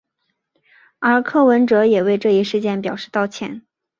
而柯文哲也为这一事件表示道歉。